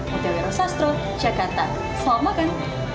mbak diah wira sastro jakarta selamat makan